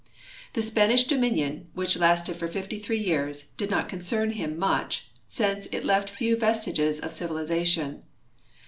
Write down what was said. The Spanish dominion, which lasted for 53 years, did not con cern him much, since it left few vestiges of civilization.